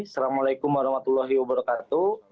assalamualaikum warahmatullahi wabarakatuh